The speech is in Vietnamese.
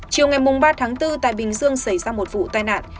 chiều ngày ba tháng bốn tại bình dương xảy ra một vụ tai nạn